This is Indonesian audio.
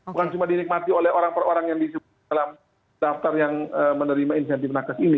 bukan cuma dinikmati oleh orang per orang yang disebut dalam daftar yang menerima insentif nakes ini